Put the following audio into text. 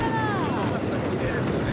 本当にきれいですよね。